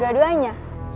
gak ada uangnya